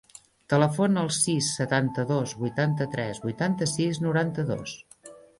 Telefona al sis, setanta-dos, vuitanta-tres, vuitanta-sis, noranta-dos.